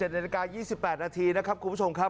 นาฬิกา๒๘นาทีนะครับคุณผู้ชมครับ